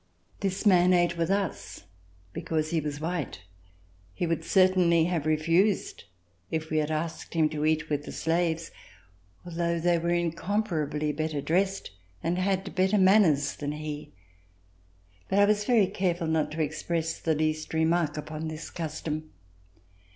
This man ate with us because he was white. He would certainly have refused if we had asked him to eat with the slaves, although they were incomparably better dressed and had better manners than he. But I was very careful not to express the least remark upon this custom.